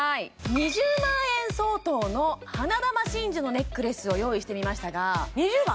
２０万円相当の花珠真珠のネックレスを用意してみましたが２０万！？